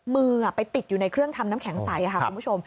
มือไปติดอยู่ในเครื่องทำน้ำแข็งใสค่ะคุณผู้ชม